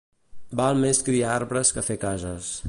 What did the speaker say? Val més criar arbres que fer cases.